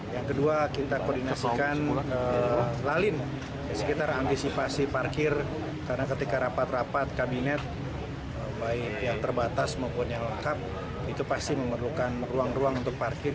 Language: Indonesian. yang kedua kita koordinasikan lalin sekitar antisipasi parkir karena ketika rapat rapat kabinet baik yang terbatas maupun yang lengkap itu pasti memerlukan ruang ruang untuk parkir